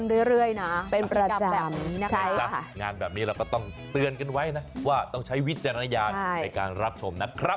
สรรพ์งานแบบนี้เราก็ต้องเตือนไว้ว่าต้องใช้วิทยาลัยารณ์ในรับชมนะครับ